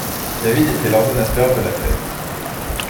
David était l'ordonnateur de la fête.